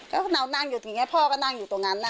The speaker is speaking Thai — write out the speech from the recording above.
ก็น้องนั่งอยู่อย่างนี้พ่อก็นั่งอยู่ตรงนั้นน่ะ